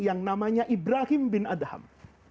yang namanya ibrahim bin adham